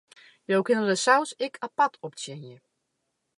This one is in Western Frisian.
Jo kinne de saus ek apart optsjinje.